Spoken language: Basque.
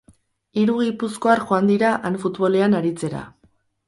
Hiru gipuzkoar joan dira han futbolean aritzera.